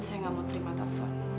saya nggak mau terima telepon